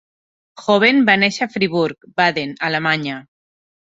Hoven va néixer a Friburg, Baden, Alemanya.